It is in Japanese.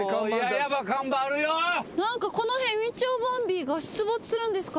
何かこの辺みちおボンビーが出没するんですかね？